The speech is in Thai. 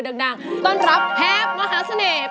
ดังต้อนรับแฮปมหาเสน่ห์